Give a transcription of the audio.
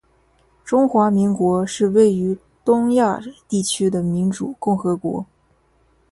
中华民国是位于东亚地区的民主共和国